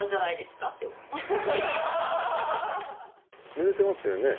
塗れてますよね。